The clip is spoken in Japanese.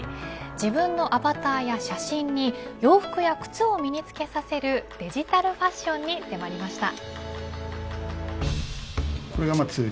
自分のアバターや写真に洋服や靴を身に着けさせるデジタルファッションに迫りました。